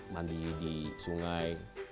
mandi di sungai